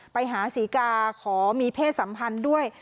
ไปหาศรีกาขอมีเพศสัมพันธ์ด้วย